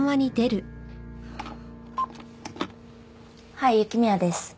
はい雪宮です。